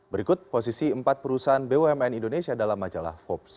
berikut posisi empat perusahaan bumn indonesia dalam majalah forbes